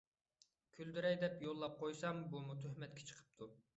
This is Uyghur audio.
كۈلدۈرەي دەپ يوللاپ قويسام بۇمۇ تۆھمەتكە چىقىپتۇ.